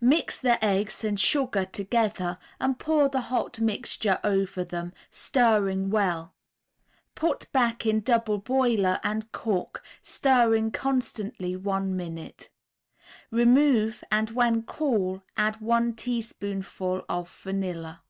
Mix the eggs and sugar together and pour the hot mixture over them, stirring well; put back in double boiler and cook, stirring constantly one minute. Remove, and when cool add one teaspoonful of vanilla.